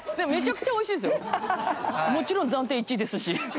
もちろん暫定１位ですし。